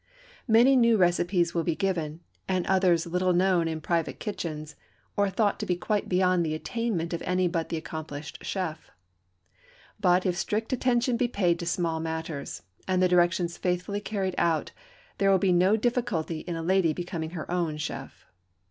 Many new recipes will be given, and others little known in private kitchens, or thought to be quite beyond the attainment of any but an accomplished chef. But if strict attention be paid to small matters, and the directions faithfully carried out, there will be no difficulty in a lady becoming her own chef.